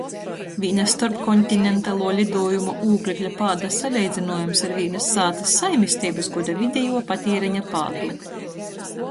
Vīna storpkontinentaluo liduojuma ūglekļa pāda saleidzynuojums ar vīnys sātys saimisteibys goda videjuo patiereņa pādu.